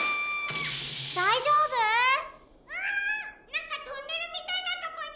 なんかトンネルみたいなとこにでたよ。